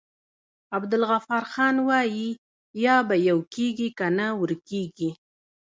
عبدالغفارخان وايي: یا به يو کيږي که نه ورکيږی.